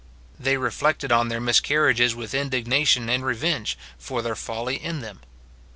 They reflected on their miscarriages with indignation and revenge, for their folly in them.